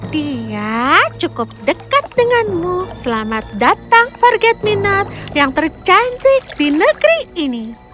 dia cukup dekat denganmu selamat datang forget minor yang tercantik di negeri ini